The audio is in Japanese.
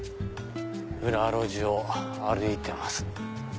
裏路地を歩いてます。